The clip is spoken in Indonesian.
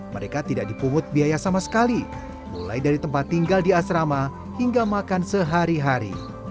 mereka tidak dipungut biaya sama sekali mulai dari tempat tinggal di asrama hingga makan sehari hari